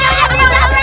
baik perasaan perasaan